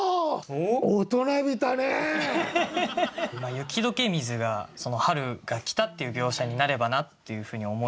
「雪解け水」が春が来たっていう描写になればなっていうふうに思い